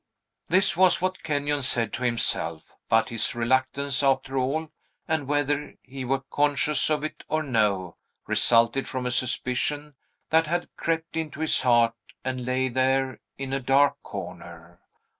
This was what Kenyon said to himself; but his reluctance, after all, and whether he were conscious of it or no, resulted from a suspicion that had crept into his heart and lay there in a dark corner.